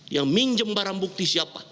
yang minjem barang bukti siapa